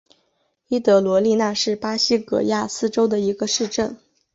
伊德罗利纳是巴西戈亚斯州的一个市镇。